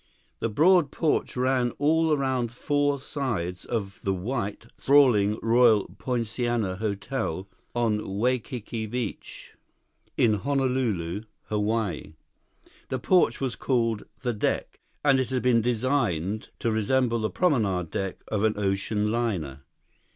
2 The broad porch ran around all four sides of the white, sprawling Royal Poinciana Hotel on Waikiki Beach, in Honolulu, Hawaii. The porch was called the "deck," and it had been designed to resemble the promenade deck of an ocean liner.